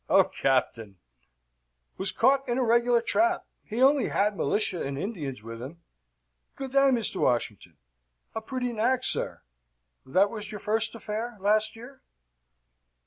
"Oh, Captain!" "Was caught in a regular trap. He had only militia and Indians with him. Good day, Mr. Washington. A pretty nag, sir. That was your first affair, last year?"